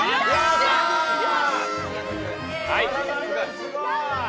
すごい。